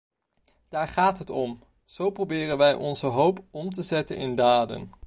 Daar gaat het om; zo proberen wij onze hoop om te zetten in daden.